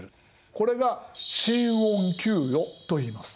これが新恩給与といいます。